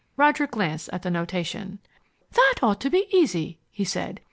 Roger glanced at the notation. "That ought to be easy," he said.